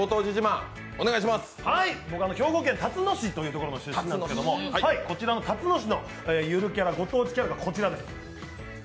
兵庫県たつの市という所の出身なんですけれどもこちらのたつの市のゆるキャラがこちらです。